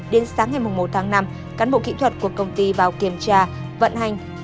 đến sáng ngày một tháng năm cán bộ kỹ thuật của công ty vào kiểm tra vận hành